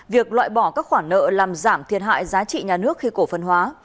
việc loại bỏ các khoản nợ làm giảm thiệt hại giá trị nhà nước khi cổ phần hóa